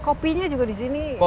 kopinya juga di sini luar biasa ya